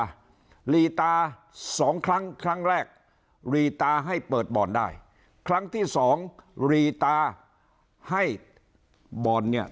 ลีตาสองครั้งครั้งแรกรีตาให้เปิดบ่อนได้ครั้งที่สองรีตาให้บ่อนเนี่ย